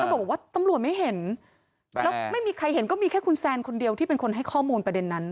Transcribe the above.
บอกว่าตำรวจไม่เห็นแล้วไม่มีใครเห็นก็มีแค่คุณแซนคนเดียวที่เป็นคนให้ข้อมูลประเด็นนั้น